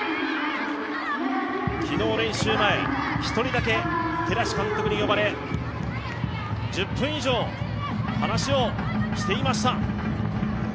昨日練習前、１人だけ寺師監督に呼ばれ、１０分以上、話をしていました。